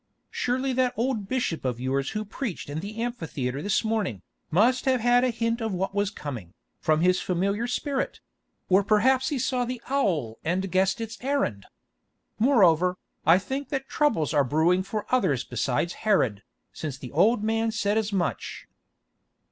Surely that old bishop of yours who preached in the amphitheatre this morning, must have had a hint of what was coming, from his familiar spirit; or perhaps he saw the owl and guessed its errand. Moreover, I think that troubles are brewing for others besides Herod, since the old man said as much."